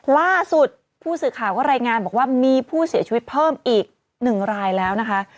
ล่าสุดผู้สื่อข่าวก็รายงานบอกว่ามีผู้เสียชีวิตเพิ่มอีก๑รายแล้วนะคะ